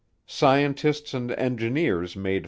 Scientists and engineers made 5.